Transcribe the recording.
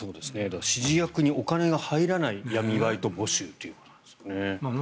指示役にお金が入らない闇バイト募集ということですよね。